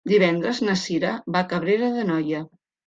Divendres na Cira va a Cabrera d'Anoia.